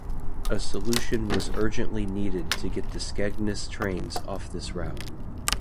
A solution was urgently needed to get the Skegness trains off this route.